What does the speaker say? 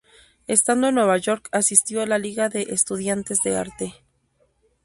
Estando en Nueva York, asistió a la Liga de Estudiantes de Arte.